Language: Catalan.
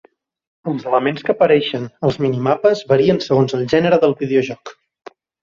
Els elements que apareixen als mini-mapes varien segons el gènere del videojoc.